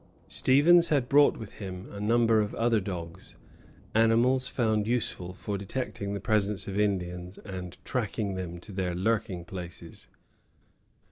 Stevens had brought with him a number of other dogs, animals found useful for detecting the presence of Indians and tracking them to their lurking places.